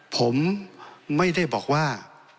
ผมไม่ได้บอกว่า